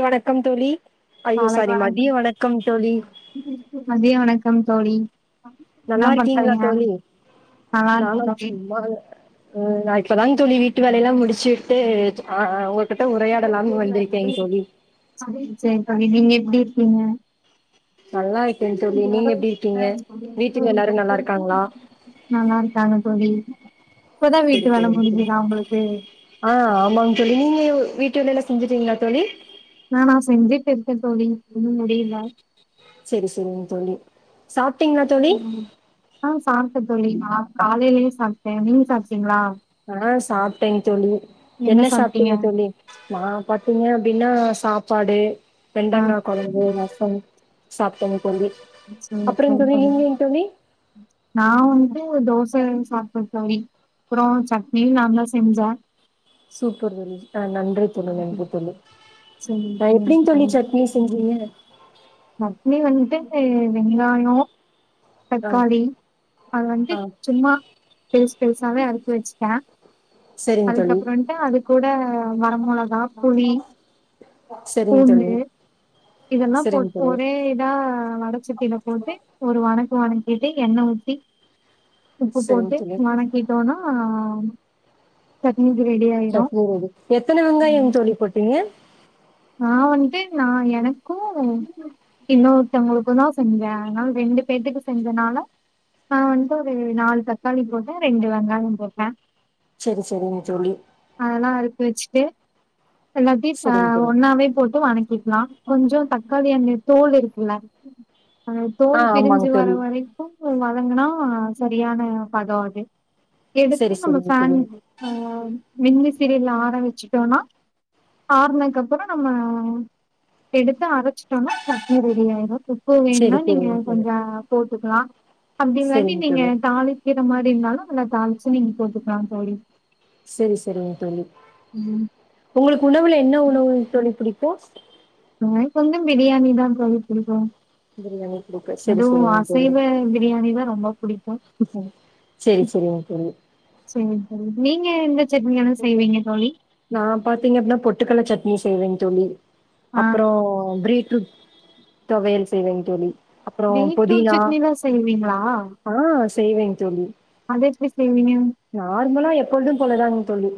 இவட கம் தோழி ஐயோ காலை சாரி மதிய வணக்கம் தோழி மதிய வணக் கம் தோழி என்ன நல்லா இருக்கீங்களா பண்றீங்க தோழி நல்லா இருக்கே நாங்கள் சும்மா அ ஆஹ நா இப்ப தாங் தோழி வீட்டு வேல எல்லாம் முடிச்சிட்டு ஆ ஆ உங்ககிட்ட உரையாடலாம்னு வந்திருக்கேங் தோழி சரி சரி தோழி நீங்க எப்டி இருக்கீங்க நல்லா இருக்கேங்க தோழி நீங்க எப்டி இருக்கீங்க வீட்டுல எல்லாரு நல்லா இருக்காங்களா நல்லா இருக்காங்க தோழி செரி வீட்டு வேல செரிங் ச முடிஞ்சுதா உங்களுக்கு ஆஹ் ஆமாங் தோழி நீங்க யு வீட் டு வேலலா செஞ்சுட்டீங்களா தோழி நானா செஞ்சுட்டு இருக்கே தோழி இன்னு முடில செரி செரிங் தோழி சாப் உம் ஆஹ சாப் டே தோழி ஆ காலைலயு சாப்டே நீங்க சாப்டீங்களா ஆஹ சாப்ட்டேங் தோழி என்ன சாப்ட்டீங்க தோழி நா பாத்தீங்க அப்டின்னா சாப் பாடு ஆ வெண்டங்கா கொழம்பு ரசம் சாப்ட மு [unintelligible] தோழி நா வந்து தோச ம் சாப்டோ தோழி அப்ரோ சட்னியு நான்தா செஞ்சே சூப்பர் [unintelligible] ஆஹ நன்றி தோழி நன்றி தோழி ஆஹ எப்டிங் தோழி சட்னி செஞ்சீங்க சட்னி வந்து வெங்காயோ ஆ தக்காளி அது வந்து ஆ சும்மா டேஸ் பெருசாவே அறுத்து வச்சுட்ட செரிங் தோழி அதுக்கப்புற வன்ட்டு அது கூட வரமொளகா புளி செரிங் தோழி பூண்டு இதெல்லாம் செரிங் போட்டு தோழி ஒரே இதா வடசட்டியில போட்டு ஒரு வனக் வனக்கிட்டு என்ன ஊட்டி உப்பு செரிங் போட்டு தோழி மானக்கட்டோனா ஆஹ் [unintelligible] சட்னி ரெடி எத்தனை வெங்காயம் தோழி போட்டீங்க நா வந்துட்டு நா எனக்கும் இன்னொருத்தவங்களுக்கும்தா செஞ்சே அதனால ரெண்டு பேத்துக்கு செஞ்சதுனால நா வந்துட்டு ஒரு நாலு தக்காளி போட்டே ரெண்டு வெங்காயம் போட்டே சரி சரிங்க தோழி [inaudible] ஹலோ தீபா செரிங்க தோழி அப்டியே போட்டு வனக்கிக்கலா கொஞ்சம் தக்காளி அந்த தோல் இருக்குல்ல அ தோல் ஆ ஆமாங் பிரிஞ்சு வர தோழி வரைக்கும் வதங்குனா சரியான பத அது செரி செரிங்க தோழி [unintelligible] ஆஹ் மின் விசிரில ஆற வச்சுட்டோம்னா ஆறுன கப் அப்புறம் நம்ம எடுத்து அரைச்சிட்டோனா சட்னி ரெடி ஆயிரும் உப்பு செரி வேணுமா நீங்க செரிங்க தோழி கொஞ்சம் போட்டுக்கலாம் அப்படிங்காட்டி செரிங்க நீங்க தோழி தாளிக்கிற மாரி இருந்தாலும் எல்லா தாளிச்சு நீங்க போட்டுக்கலாம் தோழி சரி சரிங்க தோழி ம் உங்களுக்கு உணவுல என்ன உணவு என்ன பிடிக்கும் ந கொஞ்சம் பிரியாணிதா தோழி பிடிக்கும் பிரியாணி பிடிக்கு செரி அதுவும் செரிங்க அசைவ தோழி பிரியாணிதா ரொம்ப பிடிக்கும் செரி செரிங்க தோழி சரிங்க தோழி நீங் நீங்க எந்த சட்னிய வேணாலு செய்வீங்க தோழி நான் பாத்தீங்க அப்படின்னா பொட்டுக்கள்ள சட்னி செய்வேன்னு சொல்லி ஆ அப்புறம் பீரீட் தொவையல் செய்யனும் தோழி அப்றோ பீட்ரூட் புதினா சட்னி தா செய்வீங்களா ஆ செய்வேங் தோழி அதெப்புடி செய்வீங்க நார்மலா எப்பொழுதும் போலதாங் தோழி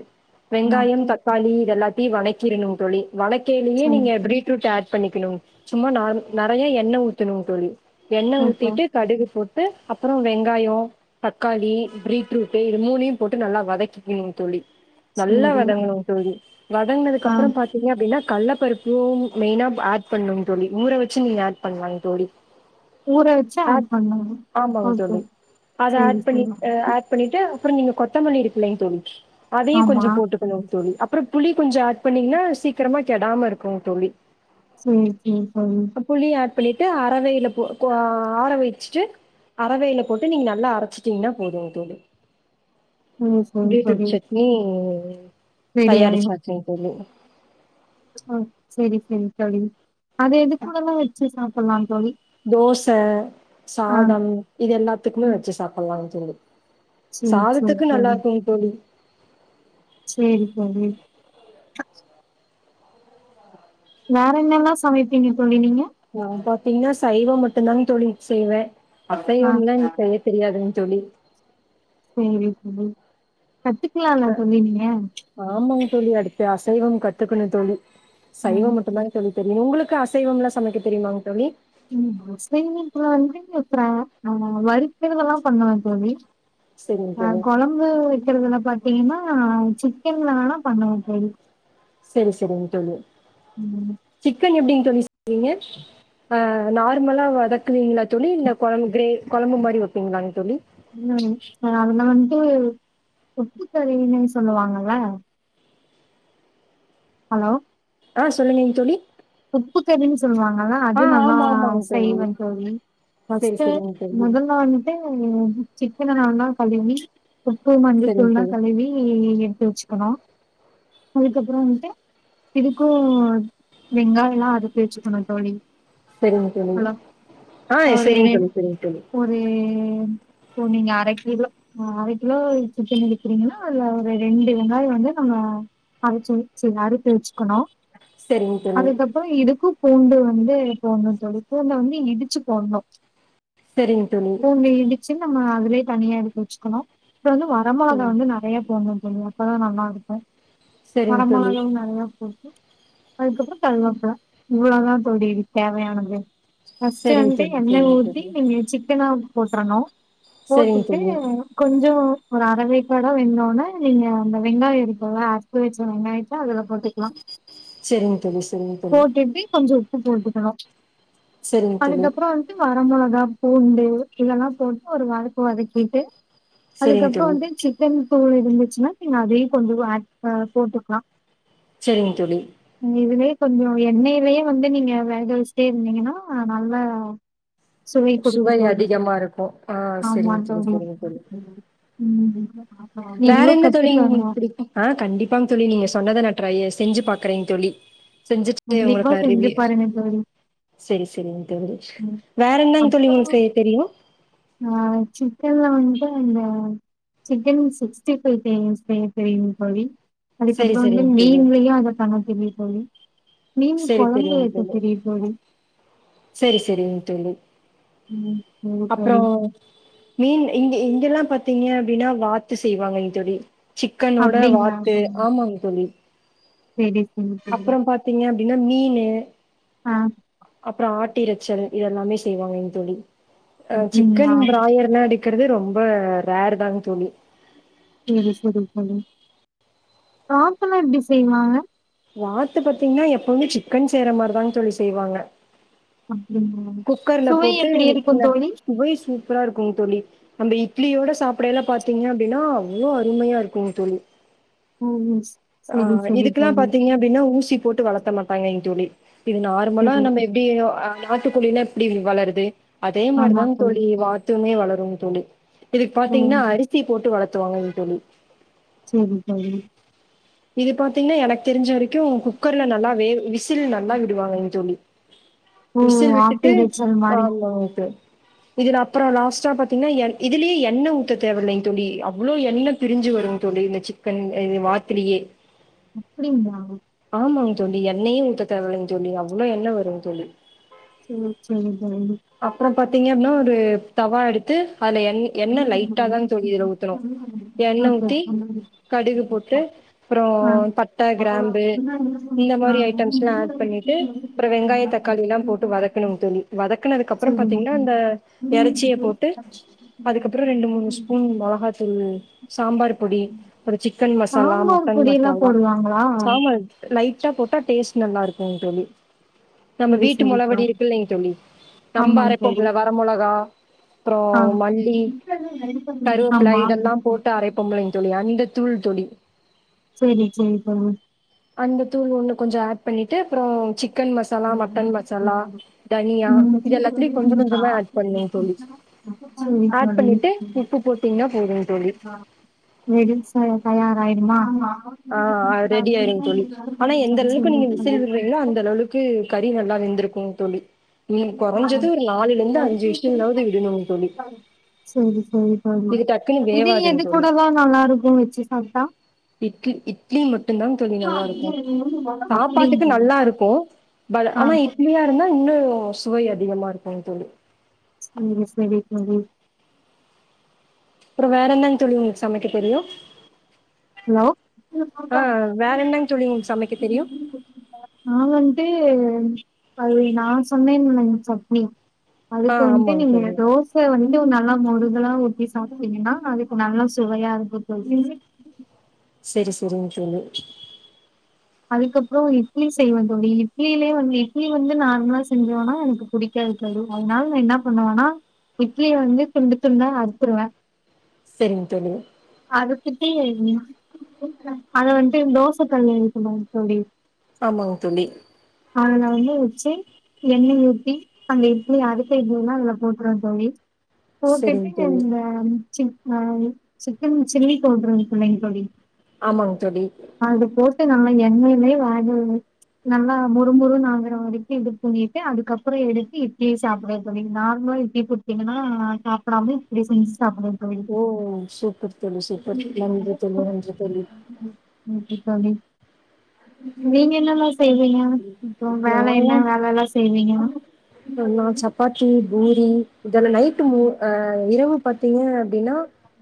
ஆ வெங்காயம் தக்காளி எல்லாத்தி வணக்கிறணு தோழி வணக்கிலேயே சேரி நீங்க பீரிட்ரூட் ஆட் பண்ணிக்கணும் சும்மா நார் நறையா எண்ணெ ஊத்தணுங் தோழி எண்ணெ ஓகே ஊத்திட்டு கடுகு போட் த்து அப்புறம் வெங்காயோ தக்காளி பீரிட்ரூட் டு இது மூணியும் போட்டு நல்லா வதக்கிக்கிணும் தோழி நல்லா சேரி வதங்கணும் தோழி ஆ வதங்னதுக்கப்புறம் பாத்தீங்க அப்டின்னா கல்ல பருப் பும் மெயின்னா ப ஆட் பண்ணுங் தோழி ஊற வச்சு நீங்க ஆட் பண்லாங்க தோழி ஊற வெச்சு ஆட் பண்ணுங்கலா ஆமாங்க ஓகே ஓகே தோழி செரி செரி ட்டு அப்புறம் நீங்க கொத்தமல்லி இருக்கில்லைங் தோழி அதையும் கொஞ்சோ ஆமா போட்டுக்கணும் தோழி அப் அப்றோ புளி கொஞ்சோ ஆட் பண்ணீங்கன்னா சீக்கிரமா கெடாம இருக்கு தோழி செரி செரி தோழி ப்ளிட்டு அரவையில போ கோ ஆ ஆற வச்சுட்டு அரவையில போட்டு நீங்க நல்லா அரச்சிட்டிங்னா போதும் தோழி சேரி சேரி தோழி பீட்ரூட் சட்னி சேரி ரெடி ஆயிடு தயாரிச்சாசுங்க தோழி ஆ செரி செரி தோழி, அது எதுக்கூடெல்லா வெச்சு சாப்பட்லா தோழி தோச ஆ சாதம் இது எல்லாத்துக்குமே ம் வெச்சு சாப்புட்லா தோழி சேரி சேரி சாதத்துக்கு நல்லா தோழி இருக்குங் தோழி சேரி தோழி வேற என்னல்லா சமைப்பீங்க தோழி நீங்க நா பாத்தீங்னா சைவ மட்டும்தாங் தோழி செய்வே ஆ அசைவம்லா எனக்கு செய்யத் தெரியாதுங் தோழி சேரி தோழி கத்துக்கலால்ல தோழி நீங்க ஆமாங் தோழி அடுத்து அசைவம் கத்துக்கணு தோழி சைவம் மட்டுந்தாங் தோழி தெரியு உங்களுக்கு அசைவம்லா சமைக்க தெரியுமாங் தோழி ம் முஸ்லிம் வீட்ல வந்து அப்ற ஆமாங் வறுக்கரதெலா பண்ணுவ தோழி செரிங் ஆ தோழி கொழம்பு வெக்கிறதுல பாத் அதிகமா சிக்கன்ல வேனா பண்ணுவோ தோழி செரி செரிங் தோழி ம் சிக்கன் எப்டி தோழி செய்விங்க ஆ நார்மலா வதக்குவிங்ளா தோழி இல்ல கொழம்பு க்ரே கொழம்பு மாரி வெப்பிங்ளாங் தோழி ம் நார்மலா உப்புக்கறினு சொல்லுவாங்கல ஹலோ ஆ சொல்லுங்க நீங் தோழி உப்புக்கறின் சொல்லுவாங்கல்ல அது ஆ நல்லா ஆமா ஆமாங் செய்வ தோழி செரி ஃபஸ்ட்டு செரிங் தோழி மொதல்ல வந்துட்டு சிக்கன நல்லா கழுவி உப்பு செரிங் மஞ்சதூள்லா தோழி கழுவி வெச்சுக்கணு அதுக்கப்புற வந்ட்டு இதுக்கு வெங்காய எல்லா அறுத்து வெச்சுக்கணு தோழி செரிங்க தோழி ஹலோ ஆ ஒரு செரிங்க ரெண் தோழி செரிங்க தோழி ஒரு இப்போ நீங்க அரை கிலோ அரை கிலோ சிக்கன் எடுக்கிறிங்கனா அதுல ஒரு ரெண்டு வெங்காய வந்து நம்ம அரைச்சு அறுத்து வெச்சுக்கணு செரிங் தோழி அதுக்கப்புற இதுக்கு பூண்டு வந்து போடணு தோழி பூண்ட வந்து இடிச்சு போடணு சரிங் தோழி நம்ம அதுலயே தனியா எடுத்து வெச்சுக்கணு இப்ப வந்து வர மொளகா செரிங் வந்து நறையா போடணு தோழா ஆ நல்லாருக்கு செரிங்க தோழி வரமொளகாவு நெறையா போ அதுக்கப்புற கருவாப்ல இவ்ளதா தோழி இதுக் தேவையானது ஃபஸ்ட் செரிங்க வன்டு தோழி எண்ணெ ஊத்தி நீங்க சிக்கனா போட்ரனு செரிங்க போட்டுட்டு தோழி கொஞ்சோ ஒரு அர வேக்காடா வெந்தோன்ன நீங்க அந்த வெங்காயம் இருக்குல்ல அறுத்து வெச்ச வெங்காயத்த அதுலப் கொட்டிக்குலா செரிங்க தோழி செரிங்க தோழி பு போட்டுக்கணு செரிங்க தோழி அதுக்கப்றோ வந்ட்டு வரமொளகா பூண்டு இதெல்லா போட்டு ஒரு வதக்கு வதக்கீட்டு செரிங்க தோழி செரிங்க அதுக்கப்பறோ தோழி வந்து சிக்கன் தூள் இருந்துச்சுனா நீங்க அதையு கொஞ்சோ ஏட் அ போட்டுக்கலா செரிங்க தோழி இந் இதுவே கொஞ்சோ எண்ணைலே வந்து நீங்க வேக வெச்சுட்டே இருந்தீங்கன்னா நல்லா சுவை குடுக்கு தோழி அதிகமா இருக்கு ஆ ஆமா செரிங்க தோழி செரிங்க தோழி உம் [inaudible] வேற என்ன தோழி உங்களுக்கு பிடிக்கு ஆஹ் கண்டிப்பாங் தோழி நீங்க சொன்னத நா ட்ரை செஞ்சு பாக்கறே தோழி செஞ்சுட்டு கண்டிப்பா உங்களுக் நா செஞ்சு ரிவ்யூ பாருங்க தோழி வேற என்னங் தோழி உங்களுக் செய்ய தெரியு ஆஹ் சிக்கன்ல வந்து அந்த சிக்கன் சிக்ஸ்டி ஃபைவ் [unintelligible] செய்ய தெரியு தோழி செரி அதுக்கப்பறோ செரிங்க வந்து தோழி [unintelligible] [unintelligible] தோழி மீன் செரி கொழம்பு செரிங் வைக்க தோழி தெரியு தோழி செரி செரிங் தோழி உம் [unintelligible] அப்புறோ தோழி மீன் இங்க இங்கெல்லா பாத்தீங்க அப்டினா வாத்து செய்வாங்க இ தோழி சிக்கனோட அப்டிங்களா வாத்து சொல்லுங்க. ஆமாங் தோழி [inaudible] ப்டினா மீனு ஆ அப்றோ ஆட்டிரைச்சல் இதெல்லாமே செய்வாங்கங் தோழி ஆஹ் அப்டிங்களா சிக்கன் பிராயர் நாடு க்கறதே ரொம்ப ரேர் தாங்க தோழி செரி செரி தோழி வாத்தெல்லா எப்டி செய்வாங்க வாத்து பாத்தீங்கனா எப்பவுமே சிக்கன் செய்ற மாரிதாங் தோழி செய்வாங்க ம் குக்கர்ல போட்டு தோழி [unintelligible] சுவை சூப் பரா இருக்குங் தோழி நம்ம இட்லியோட சாப்படைல பாத்தீங்க அப்டினா அவ்ளோ அருமையா இருக்குங் தோழி ம் சரி ஆஹ் சரி இதுக்கெல்லா தோழி பாத்தீங்க அப்டினா ஊசி போட்டு வளத்த மாட்டாங்கங் தோழி இது நார்மலா சரி நம்ம எப்டி அ நா ட்டுக்கோழிலா எப்டி வளருது அதே மாதிரிதான் தோழி வாத்துமே வள பெங்க தோழி இதுக்கு பாத்தீங்கன்னா ம் அரிசி போட்டு வளரு த்துவாங்கன்ன தோழி செரிங் தோழி இது பாத்தீங்கன்னா எனக்கு தெரிஞ்ச வரைக்கும் குக்கர்ல நல்லா வே விசில் நல்லா விடுவாங்க எ தோழி ஓ விசில் ஆட்டு விட்டுட்டு இறைச்சல் மாரி ஆமா விட்டு இதுல அப்புறோ லாஸ்ட்டா பாத்தீங்கன்னா இதுலயே எண்ணய் ஊத்த தேவ இலைங்க தோழி அவ்வளவு எண்ணெயம் பிரிஞ்சு வரும் தோழி இந்த சிக்கன் வாத்திலேயே அப்படிங்களா தோழி எண்ணயு ஊத்த தேவலைன்னு தோழி அவ்வளோ எண்ண வரு தோழி செரி செரி தானு பாத்தீங்கன்னா அது தவா எடுத்து அதுல எண்ண எண்ணெ லைட்டா தா தோழி இதில ஊத்தணு எண்ணெ ஓகே ஊத்தி கடுகு போட்டு அப்புறோ ஆ பட்ட கிராம்பு இந்த சரிங்க. மாரி ஐட்டம்ஸ்ல்லா ஆட் பண்ணிட்டு அப்புறோ வெங்காய தக் கல்லா போட்டு வதக்கணு தோழி வதக்கணு அதுக்கப்புறோ பாத்தீங்ன்னா இந்த இறச்சிய போட்டு அதுகப்ரோ ரெண்டு மூணு ஸ்பூன் மொளகாத்தூள் சாம்பார் பொடி அப்றோ சிக்கன் மசாலா சாம்பார் மொட்டன் பொடி எல்லா மசாலா போடுவாங்களா சாம்பார் லைட் பட்ட போட்டா டேஸ்ட் நல்லாருக்கும்ன் தோழி நம்ம சரி வீட்டு சரிக்கா முளவடி இருக்கு இல்லிங் தோழி நம்ப ஆமாங்க தோழி அரைப்போம்ல வர மொளகா அப்புறோ ஆ மல்லி கருப்பிலை ஆமா இதெல்லா போட்டு அரைப்போம்பளைங் தோழி அந்த தூள்தொடி செரி செரி போங் அந்த தூள் ஒண்ணு கொஞ்சோ ஆட் பண்ணிட்டு அப்புறோ சிக் கன் மசாலா மட் மட்டன் மசாலா தனியா இது எல்லாத்திலயு கொஞ்சோ கொஞ்சோ தா ஆட் பண்ணு தோழி சரி ஆட் பண்ணிட்டு தோழி உப்பு போட்டீங்கன்னா போதும் ஆ [unintelligible] தயாராயிருமா ஆமா ஆ ஆ ஆ ரெடி ஆயிரு தோழி ஆனா எந்த அள்வுக்கு நீங்க விசில் விடுறீங்களோ அந்த அளவுக்கு ப்படி நல்லா வெந்திருக்கு தோழி நீங்க கொறைஞ்சது ஒரு நாலுல [inaudible] இருந்து அஞ்சு விசில்லாவது விடணுங்க தோழி செரி செரி தோழி இது டக்குன்னு இது வேவாதுங்க எது தோழி கூடதா நல்லாருக்கு வச்சு சாப்ட்டா இட்லி இட்லி மட்டுந்தா தோழி நல்லா இருக்கு சாப்பாட்டுக்கு நல்லா அப்டிங்களா இருக்கு பட் ஆ ஆனா இட்லியா இருந்தா இன்னோ போ சுவை அதிகமா இருக்குங் தோழி செரி செரி தோழி அப்புறோ வேற என்னங் தோழி உங்களுக்கு சமைக்க தெரியு ஹலோ ஆ வேற என்னங்க தோழி உங்களுக்கு சமைக்க தெரியு நா வந்ட்டு பதை நான் சொன்னே இல்லங் சட்னி ஆ அதுக்கு வந்ட்டு ஆமாங்க நீங்க தோழி தோச வந்து உ நல்லா மொரு தெல்லா ஊத்தி சாப்புட்வீங்கன்னா அதுக்கு நல்லா சுவையா இருக்கு தோழி [unintelligible] செரி செரிங்க தோழி அதுக்கப்புறோ இட்லி செய்வேன் தோழி இட்லியிலேயே வந்து இட்லி வந்து நார்மலா செஞ்சோன்னா எனக்கு புடிக்காது தோழி அதனால நா என்னா பண்ணுவனா இட்லிய வந்து துண்டு துண்டா அறுத்துருவே செரிங்க தோழி டீ வேணும்மா அத வந்து டே தோச கல்லயு குனோ தோழி ஆமாங்க தோழி [unintelligible] எண்ணெய் ஊத் தி அந்த இட்லிய அறுத்த இட்லி எல்லா அதுல போட்ருவ தோழி செரிங்க போட்டுட்டு தோழி இந்த சி ஆ சிக்கன் சில்லி பவ்ட்ரு இருக்குள்ளிங் தோழி ஆமாங் அத போட் டு நா எண்ணெய்லயே வேக வெ நல்லா மொரு மொருனு ஆகுற வரைக்கு இது பண்ணிட்டு அதுக்கப்றொ எடுத்து இட்லி சாப்டுவ தோழி நார்மலா இட்லி குடுத்தீங்கன்னா சாப்டாம இப்டி செஞ்சு சாப்டுவ ஓ சூப்பர் தோழி சூப்பர் நன்றி தோழி நன்றி தோழி [inaudible] தோழி நீங்க என்னல்லா செய்வீங்க அப்றொ வேல நாலா என்ன வேலலா செய்வீங்க இதல்ல நைட்டு மு அ இரவு பாத்தீங்க அப்டின்னா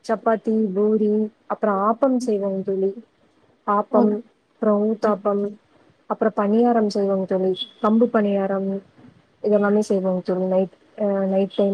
சப்பாத்தி பூரி அப்றொ ஆப்பம் செய்வங் தோழி ஆப்பம் அப்றொ ஓகே தாப்பம் அப்றொ பணியாரம் செய்வங்க தோழி கம்பு பணியாரம் இதெல்லாமே செய்வங்க தோழி நைட் அ நைட் டைம்